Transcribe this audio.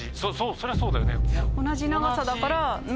そりゃそうだよね。